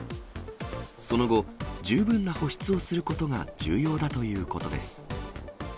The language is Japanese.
その後、十分な保湿をすることが重要だということです。